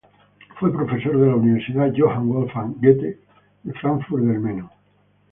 Fue profesor de la Universidad Johann Wolfgang Goethe de Fráncfort del Meno.